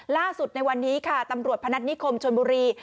ล่าสุดในวันนี้ตำรวจพนักนิคมชนบุรี